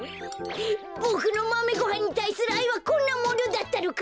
ボクのマメごはんにたいするあいはこんなものだったのか？